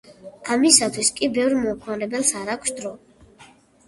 ამისათვის კი ბევრ მომხმარებელს არ აქვს დრო.